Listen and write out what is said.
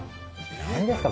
何ですか？